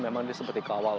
memang dia seperti kawal